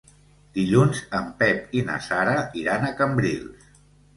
Dilluns en Pep i na Sara iran a Cambrils.